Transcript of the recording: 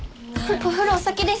お風呂お先です。